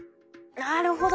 なるほど！